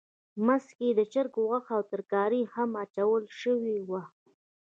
منځ کې یې د چرګ غوښه او ترکاري هم اچول شوې وه.